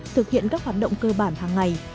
thực hiện các hoạt động cơ bản hàng ngày